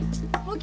masuk hutan lagi